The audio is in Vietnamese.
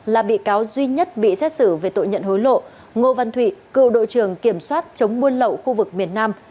là bị cáo duy nhất bị xét xử về tội nhận hối lộ ngô văn thụy cựu đội trưởng kiểm soát chống buôn lậu khu vực miền nam